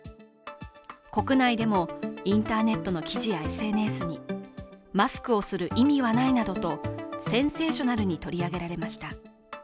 国内でも、インターネットの記事やＳＮＳにマスクをする意味はないなどとセンセーショナルに取り上げられました。